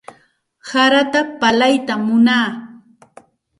Salata pallaytam munaa.